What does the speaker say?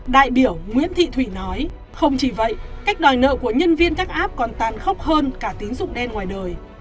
đại biểu nguyễn thị thủy nói không chỉ vậy cách đòi nợ của nhân viên các app còn tan khốc hơn cả tín dụng đen ngoài đời